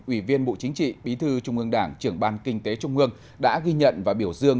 ủy viên bộ chính trị bí thư trung ương đảng trưởng ban kinh tế trung ương đã ghi nhận và biểu dương